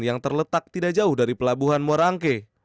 yang terletak tidak jauh dari pelabuhan muara angke